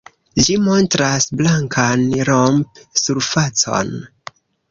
Ĝi montras blankan romp-surfacon.